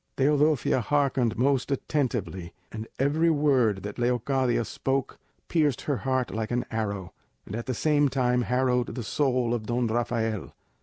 Teodosia hearkened most attentively, and every word that Leocadia spoke pierced her heart like an arrow, and at the same time harrowed the soul of Don Rafael.